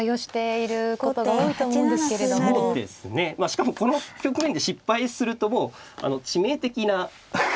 しかもこの局面で失敗するともう致命的な。